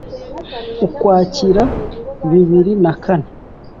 ukwakira bibiri na kane